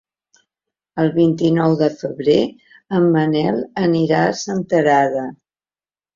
El vint-i-nou de febrer en Manel anirà a Senterada.